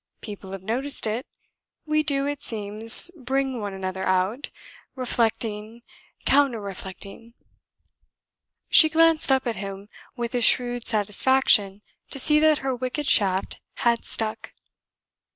People have noticed it we do, it seems, bring one another out, reflecting, counter reflecting." She glanced up at him with a shrewd satisfaction to see that her wicked shaft had stuck.